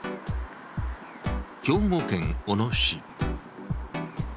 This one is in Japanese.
兵庫県小野市。